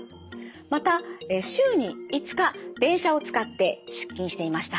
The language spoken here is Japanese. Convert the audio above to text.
また週に５日電車を使って出勤していました。